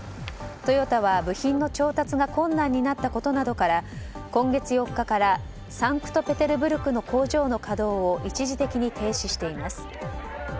トヨタは部品の調達が困難になったことなどから今月４日からサンクトペテルブルクの工場の稼働を一時的に停止しています。